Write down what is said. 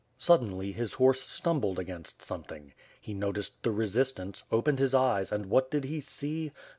Suddenly, his horse stumbled against something. He noticed the resistance, opened his eyes, and what did he see?